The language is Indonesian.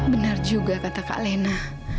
benar juga kata kak lena